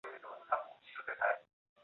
灰里白为里白科里白属下的一个种。